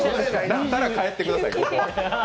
だったら帰ってください。